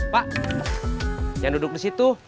pak yang duduk di situ